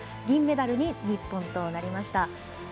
銀メダルに日本となりました。